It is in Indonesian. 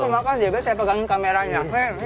jaya jaya saya pegangin kameranya